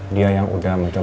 dia yang udah mencari